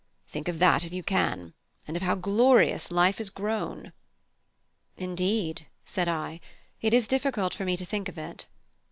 Think of that, if you can, and of how glorious life is grown!" "Indeed," said I, "it is difficult for me to think of it."